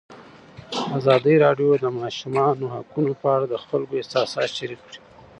ازادي راډیو د د ماشومانو حقونه په اړه د خلکو احساسات شریک کړي.